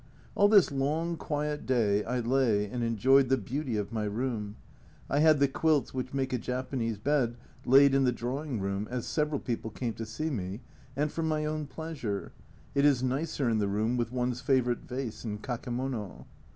All this long quiet day I lay and enjoyed the beauty of my room. I had the quilts which make a Japanese bed laid in the drawing room, as several people came to see me, and for my own pleasure ; it is nicer in the room with one's favourite vase and kakemono.